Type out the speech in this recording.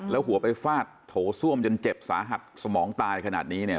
แล้วหัวไปฟาดโถส้วมจนเจ็บสาหัสสมองตายขนาดนี้เนี่ย